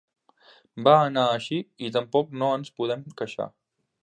Va anar així i tampoc no ens podem queixar.